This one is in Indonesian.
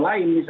hari ini masih